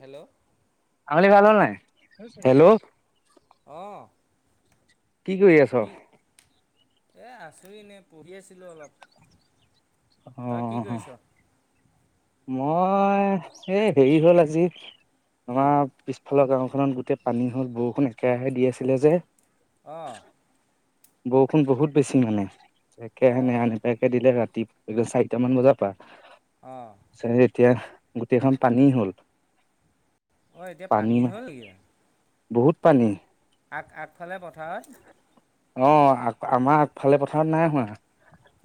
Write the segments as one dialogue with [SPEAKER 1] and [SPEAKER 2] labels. [SPEAKER 1] Hello.
[SPEAKER 2] ছোৱালী ভাল হ'ল নাই, হেল্ল'
[SPEAKER 1] অ
[SPEAKER 2] কি কৰি আছ?
[SPEAKER 1] এ আছো এনে, পঢ়ি আছিলো অলপ। তই কি
[SPEAKER 2] অহ।
[SPEAKER 1] কৰিছ
[SPEAKER 2] মই, এ হেৰি হ'ল আজি
[SPEAKER 1] কি
[SPEAKER 2] আমাৰ পিছফালক অহ ফলন গোটেই পানী হ'ল বৰষুণ একেৰাহে দি আছিলে যে
[SPEAKER 1] অহ।
[SPEAKER 2] বৰষুণ বহুত বেছি মানে একৰাহে নেৰা
[SPEAKER 1] অঁ
[SPEAKER 2] নেপেৰাকে দিলে ৰাতি এই চাৰিটামান বজাৰ পৰা
[SPEAKER 1] অঁ
[SPEAKER 2] ত এতিয়া গোটেইখন পানী হ'ল।
[SPEAKER 1] অ এতিয়া পানী হ'ল নেকি?
[SPEAKER 2] বহুত পানী।
[SPEAKER 1] আগ আগফালে পথাৰত
[SPEAKER 2] অ আ আমাৰ আগফালে পথাৰত নাই হোৱা।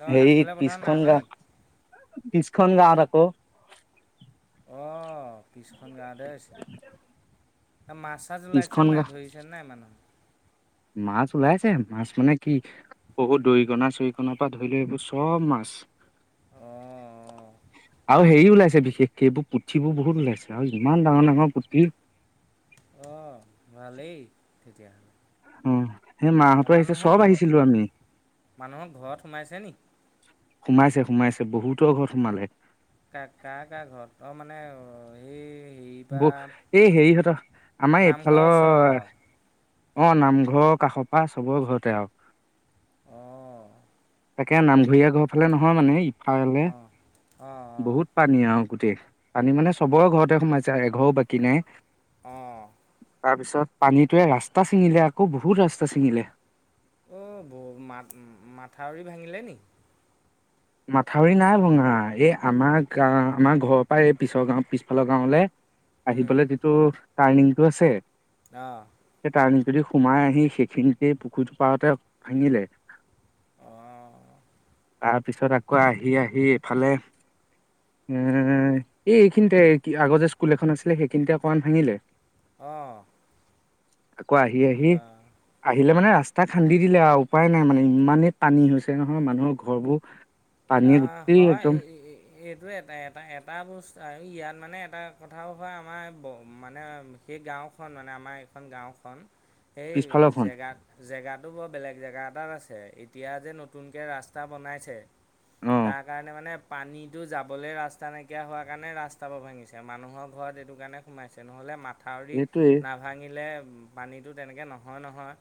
[SPEAKER 1] অঁ
[SPEAKER 2] সেই
[SPEAKER 1] আগফালে পথাৰত নাই
[SPEAKER 2] পিছখন
[SPEAKER 1] হোৱা নি
[SPEAKER 2] গাও পিছখন গাৱত আকৌ।
[SPEAKER 1] আহ পিছখন গাৱতে হৈছে। মাছ চাছ ওলাইছে
[SPEAKER 2] পিছখন
[SPEAKER 1] নাই
[SPEAKER 2] গাঁও
[SPEAKER 1] ধৰিছে নাই মানুহে
[SPEAKER 2] মাছ ওলাইছে, মাছ মানে কি বহুত দৰিকনা চৰিকণাৰ পৰা ধৰি লোৱা এইবোৰ চব মাছ
[SPEAKER 1] অ।
[SPEAKER 2] আৰু হেৰি ওলাইছে বিশেষকে এইবোৰ পুঠিবোৰ বহুত ওলাইছে আৰু ইমান ডাঙৰ ডাঙৰ পুঠি
[SPEAKER 1] অ ভালেই তেতিয়াহলে।
[SPEAKER 2] উম, সেই মাহঁতৰ আহিছে
[SPEAKER 1] মানুহৰ
[SPEAKER 2] চব
[SPEAKER 1] ঘৰ
[SPEAKER 2] আহিছিলো আমি।
[SPEAKER 1] মানুহৰ ঘৰত সোমাইছে নি
[SPEAKER 2] সোমাইছে সোমাইছে বহুতৰ ঘৰত সোমালে।
[SPEAKER 1] কা কা কাৰ ঘৰত অ মানে সেই হেৰি পৰা
[SPEAKER 2] ব এই হেৰিহঁতৰ আমাৰ
[SPEAKER 1] নামঘৰৰ ওচৰৰ পৰা
[SPEAKER 2] এইফালৰ
[SPEAKER 1] আৰু
[SPEAKER 2] অ নামঘৰ কাষপা চবৰে ঘৰতে আও
[SPEAKER 1] অহ
[SPEAKER 2] তাকে নামঘৰীয়া ঘৰ ফালে নহয় মানে ই হয়নে
[SPEAKER 1] অঁ অঁ অঁ
[SPEAKER 2] বহুত পানী আৰু গোটেই পানী মানে চবৰে ঘৰতে সোমাইছে এঘৰও বাকী নাই
[SPEAKER 1] অঁ
[SPEAKER 2] তাৰপিছত পানীটোৱে ৰাস্তা ছিঙিলে আকৌ বহুত ৰাস্তা ছিঙিলে
[SPEAKER 1] অ হ মা মাথাউৰি ভাঙিলে নি
[SPEAKER 2] মাথাউৰি নাই ভঙা এই আমাৰ গা আমাৰ ঘৰৰ পৰা এই পিছৰ গাওঁ পিছফালৰ গাঁওলৈ আহিবলৈ যিটো তাৰ্ণিংটো আছে
[SPEAKER 1] আহ
[SPEAKER 2] যদি সোমাই আহি সেইখিনিতে পুখুৰীটো পাৰতে ভাঙিলে
[SPEAKER 1] অঁ
[SPEAKER 2] তাত পিছত আকৌ আহি আহি এইফালে উ এই এইখিনিতে আগৰ যে স্কুল এখন আছিলে সেইখিনিতে অকমান ভাঙিলে
[SPEAKER 1] অঁ
[SPEAKER 2] আকৌ আহি আহি
[SPEAKER 1] বা
[SPEAKER 2] আহিলে মানে ৰাস্তা গাদ খান্দি দিলে আৰু উপায় নাই মানে ইমানেই পানী হৈছে নহয় মানুহৰ ঘৰবোৰ পানীয়ে
[SPEAKER 1] অ
[SPEAKER 2] গোটেই
[SPEAKER 1] হয়
[SPEAKER 2] একদম
[SPEAKER 1] এইটোয়ে এটা এটা এটা বস্তু আৰু ইয়াত মানে এটা কথাও হয় আমাৰ মানে সেই গাঁওখন মানে আমাৰ এইখন গাঁওখন সেই
[SPEAKER 2] পিছফালৰখন
[SPEAKER 1] জেগাত জেগাতো বৰ বেলেগ জেগাত কিমান আছে এতিয়া যে নতুনকে ৰাস্তা বনাইছে
[SPEAKER 2] অ
[SPEAKER 1] তাৰ কাৰণে মানে পানীতো যাবলৈ ৰাস্তা নাইকিয়া হোৱা কাৰণে ৰাস্তাবোৰ ভাঙিছে মানুহৰ ঘৰত এইটো কাৰণে সোমাইছে নহলে মা থাউৰি
[SPEAKER 2] সেইটোৱে
[SPEAKER 1] নাভাঙিলে পানীটো তেনেকৈ নহয় নহয়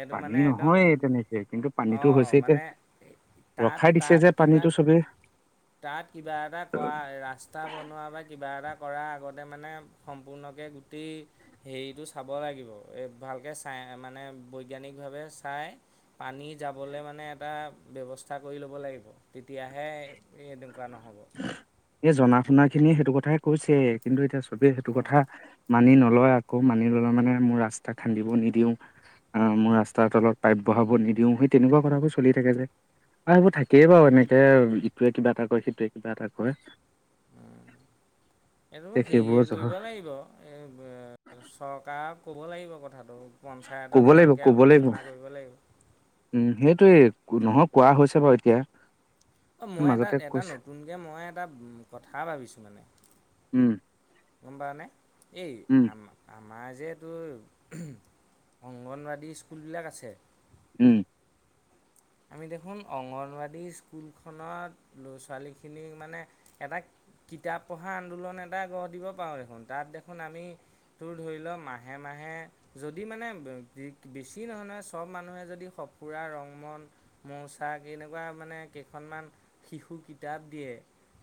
[SPEAKER 1] এইটো
[SPEAKER 2] পানী
[SPEAKER 1] মানে একদম
[SPEAKER 2] নহয় তেনেকে কিন্তু পানীতো
[SPEAKER 1] অঁ
[SPEAKER 2] হৈছে এতিয়া
[SPEAKER 1] মানে তাত
[SPEAKER 2] ৰখাই দিছে
[SPEAKER 1] তাত
[SPEAKER 2] যে
[SPEAKER 1] কিবা
[SPEAKER 2] পানীটো চবেই
[SPEAKER 1] তাত কিবা এটা কৰা ৰাস্তা বনোৱা বা কিবা এটা কৰা আগতে মানে সম্পূৰ্ণকে গোটেই হেৰিটো চাব লাগি এই ভালকৈ মানে বৈজ্ঞানিকভাৱে চাই পানী যাবলৈ মানে এটা ব্যৱস্থা কৰি ল'ব লাগিব হব লাগিব তেতিয়াহে নহ'ব
[SPEAKER 2] এ জনা শুনা খিনিয়ে সেইটো কথাই কৈছে কিন্তু এতিয়া চবে সেইটো কথা
[SPEAKER 1] এইটো
[SPEAKER 2] মানি ন লয় আকৌ মানি ললে মানে মোৰ ৰাস্তা খান্দিব নিদিও আহ মোৰ ৰাস্তাৰ তলত পাইপ বঢ়াব নিদিও সেই তেনেকুৱা কথাবোৰ চলি থাকে যে আৰু সেইবোৰ থাকেই বাৰু এনেকে ইটোৱে কিবা এটা কয় সেইটোৱে কিবা এটা কৰে
[SPEAKER 1] এইটোৰ
[SPEAKER 2] তে
[SPEAKER 1] হেৰিয়ে
[SPEAKER 2] সেইবোৰ জহ
[SPEAKER 1] কৰিব লাগিব। এই চৰকাৰক ক'ব লাগিব কথা
[SPEAKER 2] কব লাগিব কব লাগিব।
[SPEAKER 1] কৰিব লাগিব
[SPEAKER 2] উম সেইটোয়ে নহয় কোৱা হৈছে বাৰু এতিয়া এতিয়া
[SPEAKER 1] অ মই এটা এটা নতুনকে মই এটা কথা ভাবিছোঁ মানে।
[SPEAKER 2] উম
[SPEAKER 1] গম পাওঁ নে? এই
[SPEAKER 2] উম
[SPEAKER 1] আম আ- আমাৰ যে এইটো অংগনবাদী স্কুলবিলাক আছে।
[SPEAKER 2] উম।
[SPEAKER 1] আমি দেখোন অংগনবাদী স্কুলখনত ল'ৰা ছোৱালীখিনিক মানে এটা কিতাপ পঢ়া আন্দোলন এটা গঢ় দিব পাৰোঁ দেখোন। তাত দেখোন আমি তুৰ ধৰি লওক মাহে মাহে যদি মানে বেছি নহয় নহয়। চব মানুহে যদি সঁফুৰা, ৰংমন মৌ ছাক এনেকুৱা মানে কেইখনমান শিশু কিতাপ দিয়ে।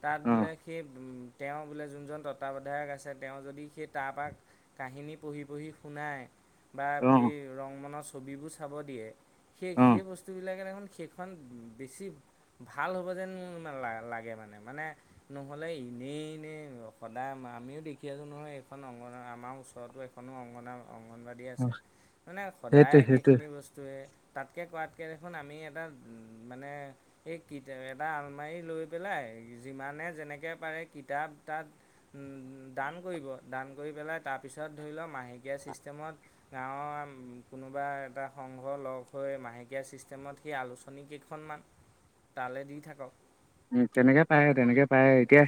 [SPEAKER 1] তাত
[SPEAKER 2] অ
[SPEAKER 1] বোলে সেই উ তেওঁ বোলে যোনজন তত্বাৱধায়ক আছে। তেওঁ যদি সেই তপাক কাহিনী পঢ়ি পঢ়ি শুনায়। বা
[SPEAKER 2] অ
[SPEAKER 1] এই ৰং মনছ ছবিবোৰ চাব দিয়ে। সেই
[SPEAKER 2] অ
[SPEAKER 1] সেই বস্তু দেখোন সেইখন বেছি ভাল হ'ব যেন লাগে। মানে মানে নহ'লে এনেই এনেই সদায় আমিও দেখি আছোঁ নহয়। এইখন অংগনা আমাৰ ওচৰতো এখনো অংগনা- অংগনবাাদী
[SPEAKER 2] অ
[SPEAKER 1] আছে মানে সদায়
[SPEAKER 2] সেইটোৱে সেইটোৱে
[SPEAKER 1] একেখিনি বস্তুৱে। তাতকে কৱাত আমি এটা মানে এই এটা আলমাৰি লৈ পেলাই যিমানে যেনেকৈ পাৰে কিতাপ তাত দান কৰিব, দান কৰি পেলাই তাৰপিছত ধৰি লওক মাহেকীয়া চিষ্টেমত গাঁৱৰ কোনোবা এটা সংঘ লগ হৈ মা- কে চিষ্টেমত সেই আলোচনী কেইখনমান তালৈ দি থাকক।
[SPEAKER 2] উ তেনেকে পায় তেনেকে পায়। এতিয়া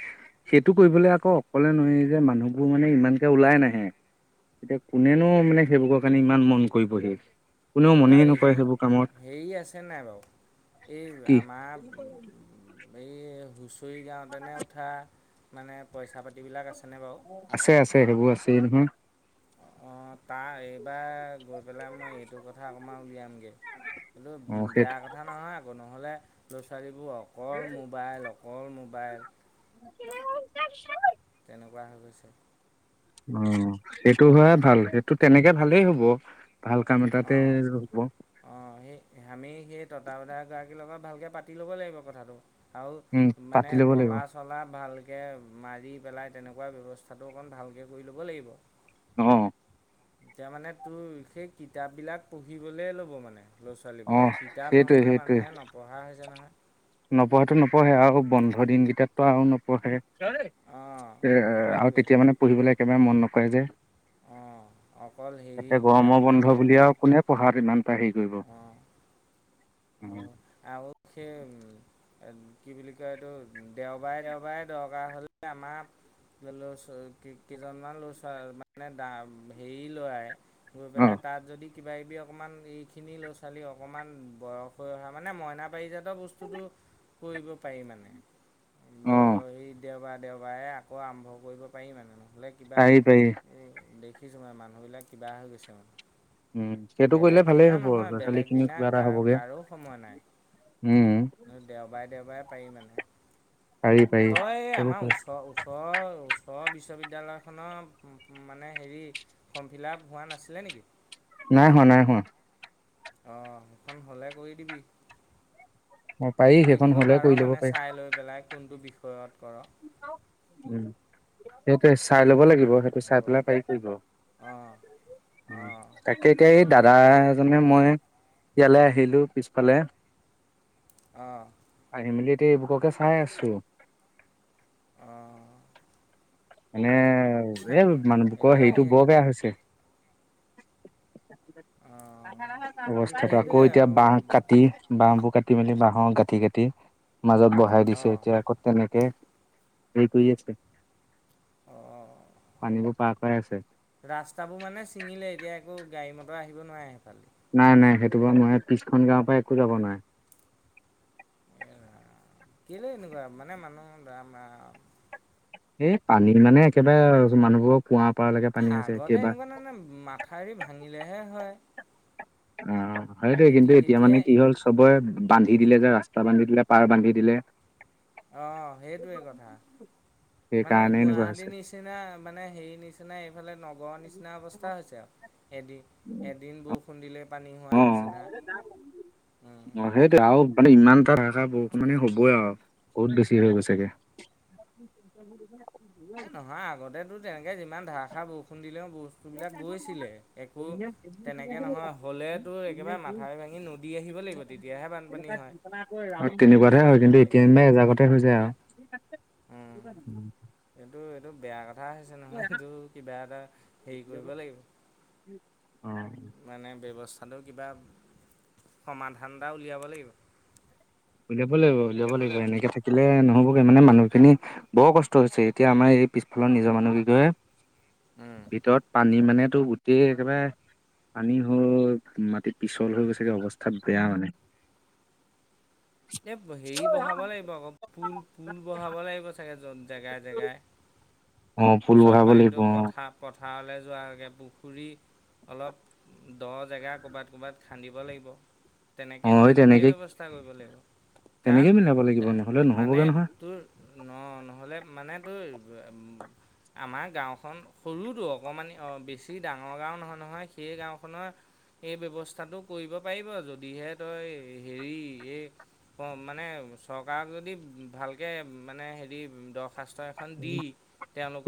[SPEAKER 2] সেইটো কৰিবলৈ আকৌ অকলে নয় যে মানুহবোৰ মানে ইমানকে ওলাই নাহে। এতিয়া কোনেনো মানে সেইবোৰৰ কাৰণে ইমান মন কৰিবহি। কোনেও মনেই
[SPEAKER 1] তই হ
[SPEAKER 2] নকৰে সেইবোৰ কামত
[SPEAKER 1] হেৰি আছে নাই বাৰু এই
[SPEAKER 2] কি
[SPEAKER 1] আমাৰ এইয়ে হুচ তুই গাঁওত এনেই উঠা মানে পইচা পাতিবিলাক আছ-
[SPEAKER 2] আছে আছে সেইবোৰ আছ- তেনহে
[SPEAKER 1] অ তাৰ এইবাৰ গজ- পেলাই মই এইটো কথা অকণমান উলিয়াম গে। কিন্তু
[SPEAKER 2] অ',
[SPEAKER 1] বেয়া
[SPEAKER 2] সেইটো
[SPEAKER 1] কথা নহয় আকৌ নহ'লে ল'ৰা ছোৱালীক ত অকল মোবাইল অক- অকল মোবাইল
[SPEAKER 2] [unintelligible]
[SPEAKER 1] তেনেকুৱা হৈ গৈছে।
[SPEAKER 2] অ সেইটো হোৱাই ভাল। সেইটো তেনেকে ভালেই হ'ব। ভাল কাম এটাতে
[SPEAKER 1] অঁ
[SPEAKER 2] ৰব
[SPEAKER 1] অঁ সেই ভালকে পাতি ল'ব লাগিব কথাটো। আৰু
[SPEAKER 2] উম,
[SPEAKER 1] মানে
[SPEAKER 2] পাতি ল'ব লাগিব
[SPEAKER 1] তলা চলা ভাল। তাকে মাৰি পেলাই তেনেকুৱা ব্যৱস্থাটো অকণ ভালকে কৰি ল'ব লাগিব।
[SPEAKER 2] অ
[SPEAKER 1] এতিয়া মানে তোৰ সেই কিতাপ বিলাক পঢ়িবলে ল'ব মানে। ল'ৰা
[SPEAKER 2] অ'।
[SPEAKER 1] ছোৱালীবোৰে কিতাপ নহ'লে মানুহে নপঢ়া হৈছে নহয়।
[SPEAKER 2] নপঢ়েটো নপঢ়ে আৰু বন্ধ দিন কেইটাত তো আৰু নপঢ়ে।
[SPEAKER 1] অঁ
[SPEAKER 2] এ আৰু
[SPEAKER 1] সেইটোৱেই
[SPEAKER 2] তেতিয়া মানে পঢ়িবলৈ একেবাৰে মন নকৰে যে
[SPEAKER 1] অঁ অকল হেৰি
[SPEAKER 2] তাতে গৰমৰ
[SPEAKER 1] কিতাপবিলাক
[SPEAKER 2] বন্ধ বুলি
[SPEAKER 1] পঢ়ে
[SPEAKER 2] আৰু কোনে পঢ়াত ইমান বাহিৰ কৰিব
[SPEAKER 1] অঁ [unintelligible] কি বুলি কয় এইটো দেওবাৰে দেওবাৰে দৰকাৰ হ'লে আমাৰ ল' কেইজনমান ল'ৰা ছোৱালী মানে হেৰি ল'ৰাই গৈ
[SPEAKER 2] অ
[SPEAKER 1] পেলাই তাত যদি কিবা কিবি অকণমান এইখিনি ল'ৰা-ছোৱালী অকণমান বয়স হৈ অহা মানে মইনা পাৰিজাত বস্তুটো কৰিব পাৰি মানে
[SPEAKER 2] অ
[SPEAKER 1] বৰ এই দেওবাৰত দেওবাৰে আকৌ আৰম্ভ কৰিব পাৰি মানে নো হ'লে কিবা
[SPEAKER 2] পাৰি পাৰি
[SPEAKER 1] কিছুমান মানুহ বিলাক হৈ গৈছে মানে
[SPEAKER 2] উম সেইটো কৰিলে
[SPEAKER 1] বেলেগ
[SPEAKER 2] ভালেই
[SPEAKER 1] দিনা
[SPEAKER 2] হ'ব
[SPEAKER 1] নহয়
[SPEAKER 2] ল'ৰা ছোৱালী
[SPEAKER 1] বেলেগ
[SPEAKER 2] খিনিও
[SPEAKER 1] দিনা
[SPEAKER 2] কিবা এটা
[SPEAKER 1] কাৰ
[SPEAKER 2] হ'ব গে
[SPEAKER 1] কাৰো সময় নাই, দেওবাৰে দেওবাৰে পাৰি মানে
[SPEAKER 2] পাৰি পাৰি সেইবোৰ কে
[SPEAKER 1] ও ওচৰ বিশ্ববিদ্যালয়খনৰ মানে হেৰি ফৰ্ম ফিলাপ আপ হোৱা নাছিলে নেকি?
[SPEAKER 2] নাই হোৱা নাই হোৱা
[SPEAKER 1] অ হেখন হ'লে কৰি দিবি
[SPEAKER 2] অ পাৰি
[SPEAKER 1] কৈ
[SPEAKER 2] সেইখন
[SPEAKER 1] দিব
[SPEAKER 2] হ'লে
[SPEAKER 1] পাৰ
[SPEAKER 2] কৰি ল'ব
[SPEAKER 1] মানে
[SPEAKER 2] পাৰি
[SPEAKER 1] চাই লৈ পেলাই কোনটো বিষয় [unintelligible]
[SPEAKER 2] উম সেইটোৱে ইছ চাই ল'ব লাগিব সেইটো চাই
[SPEAKER 1] হয়
[SPEAKER 2] পেলাই পাৰি কৰিব,
[SPEAKER 1] অঁ অঁ
[SPEAKER 2] তাকে এতিয়া এই দাদা এজনে মই ইয়ালৈ আহিলো পিছফালে
[SPEAKER 1] অৱ
[SPEAKER 2] ফেচবুককে চাই আছো
[SPEAKER 1] অঁ
[SPEAKER 2] মানে এ মানুহবুকৰ
[SPEAKER 1] এতিয়া
[SPEAKER 2] হেৰিটো
[SPEAKER 1] সেই
[SPEAKER 2] বৰ বেয়া হৈছে।
[SPEAKER 1] অঁ
[SPEAKER 2] অৱস্থাতটো
[SPEAKER 1] সেইটোৱে
[SPEAKER 2] আকৌ এতিয়া বাহঁ কাটি বাহবোৰ কাটি। কাটি মেলি বাঁহৰ গাঁটি কাটি। মাজত বহাই দিছে,
[SPEAKER 1] অঁ
[SPEAKER 2] এতিয়া আকৌ তেনেকে। কেই কৈ আছে।
[SPEAKER 1] অ
[SPEAKER 2] পানীবোৰ পাৰ কৰাই আছে
[SPEAKER 1] ৰাস্তাবোৰ মানে ছিঙিলে এতিয়া এইটো। গাড়ী মটৰ আহিব নোৱাৰে সেইফালে।
[SPEAKER 2] নাই নাই সেইটো বাৰু নহয় পিছখন গাঁৱৰ পৰা একো যাব নাৱাৰে।
[SPEAKER 1] এ ৰাম, কেলে এনেকুৱা মানে মানুহ মা ম।
[SPEAKER 2] এই পানী মানে একেবাৰে মানুহবোৰক।
[SPEAKER 1] আগতে এনেকুৱা নানানে মাথাউৰি ভাঙিলেহে হয়।
[SPEAKER 2] উম হয়টো
[SPEAKER 1] এতি
[SPEAKER 2] কিন্তু এতিয়া মানে
[SPEAKER 1] এতিয়াই
[SPEAKER 2] কি হ'ল চবৰে। বান্ধি দিলে যে ৰাস্তা বান্ধি দিলে পাৰ বান্ধি দিলে।
[SPEAKER 1] অ সেইটোৱে কথা মানে
[SPEAKER 2] সেইকাৰণে এনেকুৱা হৈছে
[SPEAKER 1] গুৱাহাটীৰ নিচিনা মানে হেৰি। নিচিনাই। ফালে নগৰ নিচিনা অৱস্থা হৈছে আৰু এদিন এদিন। ফোন দিলে। পানী হোৱা
[SPEAKER 2] অ
[SPEAKER 1] নিচিনা। উম।
[SPEAKER 2] অ সেইটোে আৰু মানে ইমান। খৰচা বহুতখি নি হ'বই আও বহুত বেছি হৈ গৈছেগে।
[SPEAKER 1] এ নহয় আগতে তো তেনেকে যিমান ধাৰাষাৰ বৰষুণ দিলেও। বস্তুবিলাক গৈছিলে একো
[SPEAKER 2] এনে
[SPEAKER 1] তেনেকৈ নহয় হ'লেতো
[SPEAKER 2] দি
[SPEAKER 1] একেবাৰে মাথাউৰি ভাঙি নদী আহিব লাগিব
[SPEAKER 2] পেলাই
[SPEAKER 1] তেতিয়াহে বানপানী হয়।
[SPEAKER 2] আকৌ। কিন্তু এতিয়া এনবা এজাগতে হৈ যায় আউ
[SPEAKER 1] অঁ অঁ।
[SPEAKER 2] উম।
[SPEAKER 1] এইটো এইটো বেয়া কথা। ধৰা হৈছে নহয়টো কিবা এটা হ ল।
[SPEAKER 2] অ
[SPEAKER 1] কথাটো কিবা সমাধান এটা উলিয়াব লাগিব।
[SPEAKER 2] লাগ উলিয়াব লাগিব এনেক থাকিলে নহ'ব। মানে মানুহখিনি বৰ কষ্ট হৈছে এতিয়া আমাৰ এই পিছফালৰ নিজৰ মানুহ কিঘয়ে।
[SPEAKER 1] উম,
[SPEAKER 2] ভিতৰত পানী মানে। এই টো গোটেই একেবাৰে পানী হৈ মাটিত পিছল হৈ গৈছেগে অৱস্থাত বেয়া মানে।
[SPEAKER 1] এ হেৰি বহাব লাগিব আকৌ পুল পুল বহাব লাগিব চাগে জন্তু। জেগাই জেগাই।
[SPEAKER 2] অ ফুল
[SPEAKER 1] চব
[SPEAKER 2] বহাব লাগিব
[SPEAKER 1] পানীটো
[SPEAKER 2] অ।
[SPEAKER 1] পথাৰ পথাৰলৈ যোৱকে পুখুৰী অলপ দ জেগা ক'ৰবাত ক'ৰবাত খান্দিব লাগিব।
[SPEAKER 2] অ
[SPEAKER 1] তেনেকে
[SPEAKER 2] সেই
[SPEAKER 1] তেনেকেই
[SPEAKER 2] তেনেকে
[SPEAKER 1] ব্যৱস্থা কৰিব লাগিব। কাৰণ
[SPEAKER 2] তেনেকে মিলাব লাগিব
[SPEAKER 1] তা-
[SPEAKER 2] নহ'লে
[SPEAKER 1] মানে
[SPEAKER 2] নহ'বগে নহয়।
[SPEAKER 1] তোৰ ন নহ'লে মানে তই আমাৰ গাঁওখন সৰুতো অকণমান বেছি ডাঙৰ গাঁও নহয় নহয় সেই গাঁওখনৰ এই ব্যৱস্থাটো কৰিব পাৰিব যদিহে তই হেৰি এই মানে চৰকাৰক যদি ভালকৈ মানে হেৰি দ- শাস্ত্ৰ এখন দি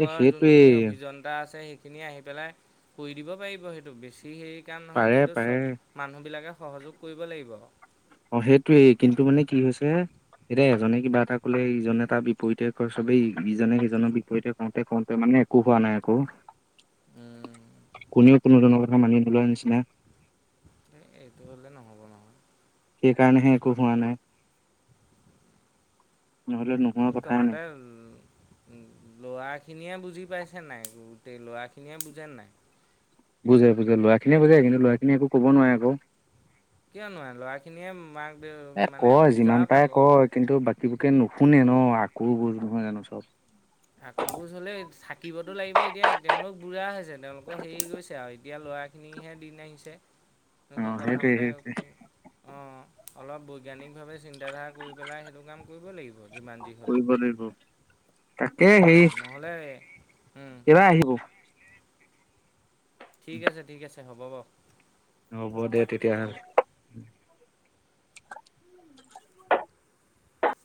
[SPEAKER 2] এ সেইটোৱেই
[SPEAKER 1] যোনখিনি অভিযন্তা আছে সেই খিনি আহি পেলাই কৰি দিব পাৰিব সেইটো বেছি হেৰি নহয়
[SPEAKER 2] পাৰে
[SPEAKER 1] কিন্তু
[SPEAKER 2] পাৰে
[SPEAKER 1] চব মানুহ বিলাকে সহযোগ কৰিব লাগিব
[SPEAKER 2] অ সেইটোৱেই কিন্তু মানে কি হৈছে এতিয়া এজনে কিবা এটা কলে ইজনে তাৰ বিপৰীতে চবেই ইজনে সিজনৰ বিপৰীতে কওঁতে কওঁতে মানে একো হোৱা নাই আকৌ
[SPEAKER 1] উম।
[SPEAKER 2] কোনেও কোনো কোনো কথা মানি নোলোৱা নিচিনা
[SPEAKER 1] এ এইটো হলে নহ'ব নহয়
[SPEAKER 2] সেইকাৰণেহে একো হোৱা নাই নহলে নোহোৱা
[SPEAKER 1] [unintelligible]
[SPEAKER 2] কথাই নাই
[SPEAKER 1] সদায় লোৱা খিনিয়ে বুজি পাইছে নাই গোটেই ল'ৰাখিনিয়ে বুজে নাই
[SPEAKER 2] বুজে বুজে ল'ৰা খিনিয়ে বুজাই কিন্তু ল'ৰাখিনি একো ক'ব নোৱাৰে আক
[SPEAKER 1] কিয় নোৱাৰে ল'ৰাখিনিয়ে মাক
[SPEAKER 2] এ
[SPEAKER 1] মানে
[SPEAKER 2] কয় যিমান
[SPEAKER 1] বুজাওক
[SPEAKER 2] পাৰে
[SPEAKER 1] আক
[SPEAKER 2] কয় কিন্তু বাকীবোৰকে নুশুনে ন আকৌ বোজ নহয় জানো চব
[SPEAKER 1] আকোৰগোছ হ'লে থাকিবতো লাগিব এতিয়া তেওঁলোক বুঢ়া হৈছে তেওঁলোকৰ হেৰি গৈছে আৰু এতিয়া ল'ৰাখিনিহে দিন আহিছে
[SPEAKER 2] অ
[SPEAKER 1] এনেকৈ
[SPEAKER 2] সেইটোৱে
[SPEAKER 1] কথামতে
[SPEAKER 2] সেইটোৱে
[SPEAKER 1] কি অঁ অলপ বৈজ্ঞানিক ভাৱে চিন্তাধাৰা কৰি পেলাই সেইটো কাম কৰিবই লাগিব যিমান যি হ'লেও
[SPEAKER 2] কৰিব লাগিব তাকে সেই
[SPEAKER 1] নহ'লে
[SPEAKER 2] কেবাৰ আহিব
[SPEAKER 1] ঠিক আছে ঠিক আছে এ হ'ব ব
[SPEAKER 2] হ'ব দে তেতিয়াহ'লে [inaudible]